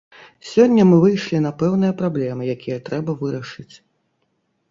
Сёння мы выйшлі на пэўныя праблемы, якія трэба вырашыць.